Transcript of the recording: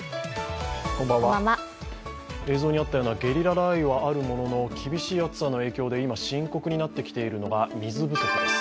映像にあったようなゲリラ雷雨はあるものの厳しい暑さの影響で今深刻になってきているのが水不足です。